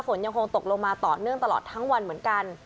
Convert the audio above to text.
ฝนยังคงตกลงมาต่อเนื่องตลอดทั้งวันเหมือนกัน